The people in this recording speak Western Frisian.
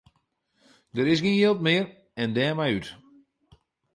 Der is gjin jild mear en dêrmei út.